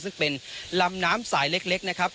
ซึ่งเป็นลำน้ำสายเล็กนะครับ